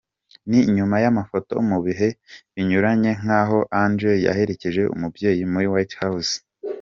Ni nyuma y’amafoto mu bihe binyuranye nkaho Ange yaherekeje umubyeyi muri White House.